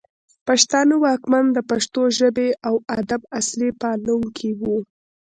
پښتانه واکمن د پښتو ژبې او ادب اصلي پالونکي وو